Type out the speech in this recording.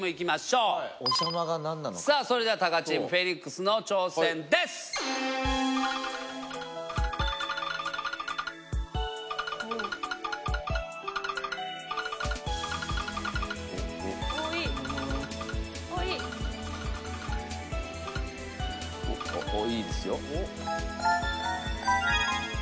おっいいですよ。